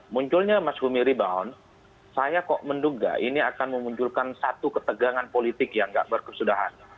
masyarakat rebound saya kok menduga ini akan memunculkan satu ketegangan politik yang tidak berkesudahan